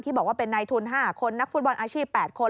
บอกว่าเป็นในทุน๕คนนักฟุตบอลอาชีพ๘คน